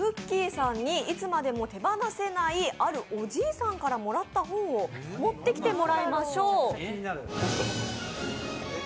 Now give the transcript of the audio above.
さんにいつまでも手離せせない、あるおじいさんからもらった本を持ってきてもらいましょう。